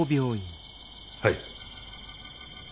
はい。